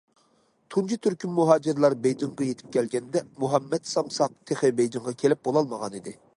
تۇنجى تۈركۈم مۇھاجىرلار بېيجىڭغا يېتىپ كەلگەندە مۇھەممەت سامساق تېخى بېيجىڭغا كېلىپ بولالمىغانىدى.